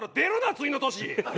次の年。